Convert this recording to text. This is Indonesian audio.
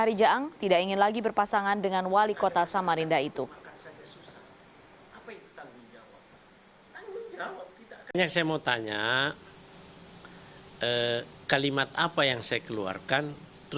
hari jaang tidak ingin lagi berpasangan dengan wali kota samarinda itu